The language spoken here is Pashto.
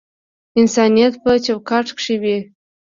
انسانیت په چوکاټ کښی وی